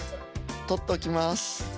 取っときます。